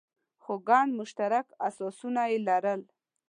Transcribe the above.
خو ګڼ مشترک اساسونه یې لرل.